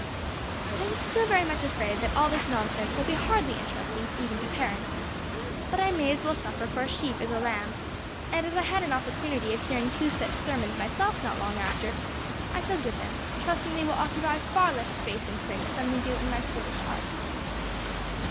I am still very much afraid that all this nonsense will hardly be interesting, even to parents. But I may as well suffer for a sheep as a lamb; and, as I had an opportunity of hearing two such sermons myself not long after, I shall give them, trusting they will occupy far less space in print than they do in my foolish heart.